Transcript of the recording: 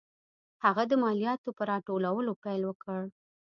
هغه د مالیاتو په راټولولو پیل وکړ.